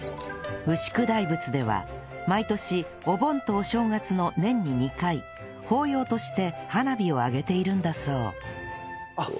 牛久大仏では毎年お盆とお正月の年に２回法要として花火をあげているんだそう